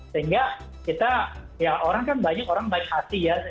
sehingga kita ya orang kan banyak orang baik hati ya